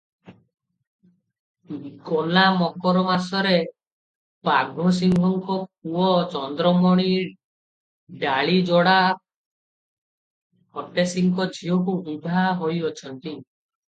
ଗଲା ମକର ମାସରେ ବାଘସିଂହଙ୍କ ପୁଅ ଚନ୍ଦ୍ରମଣି ଡାଳିଯୋଡ଼ା ଫତେସିଂହଙ୍କ ଝିଅକୁ ବିଭା ହୋଇଅଛନ୍ତି ।